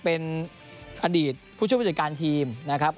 เป็นอดีตผู้ช่วยผู้จัดการทีมนะครับ